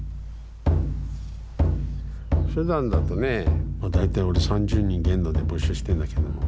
ふだんだとね大体俺３０人限度で募集してるんだけども。